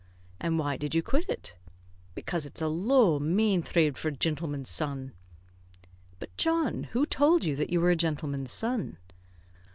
"And why did you quit it?" "Because it's a low, mane thrade for a jintleman's son." "But, John, who told you that you were a gentleman's son?"